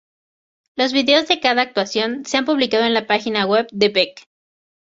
Los videos de cada actuación se han publicado en la página web de Beck.